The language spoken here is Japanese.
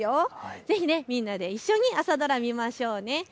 ぜひみんなで一緒に朝ドラ見ましょうね。